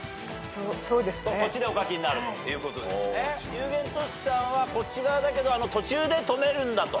龍玄としさんはこっち側だけど途中で止めるんだと。